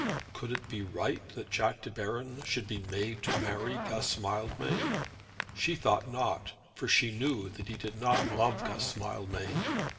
Could it be right that Jack De Baron should be made to marry Guss Mildmay? She thought not, for she knew that he did not love Guss Mildmay.